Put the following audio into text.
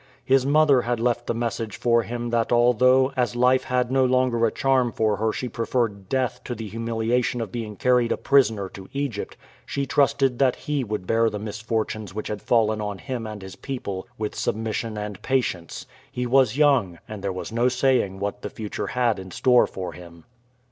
His mother had left the message for him that although as life had no longer a charm for her she preferred death to the humiliation of being carried a prisoner to Egypt, she trusted that he would bear the misfortunes which had fallen on him and his people with submission and patience; he was young, and there was no saying what the future had in store for him.